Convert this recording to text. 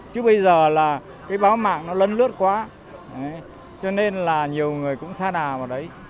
chứ bây giờ là báo mạng nó lân lướt quá cho nên là nhiều người cũng xa đà vào đấy